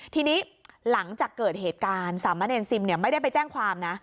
ทีนี้หลังจากเกิดเหตุการณ์สามะเนรซิมไม่ได้ไปแจ้งความนะ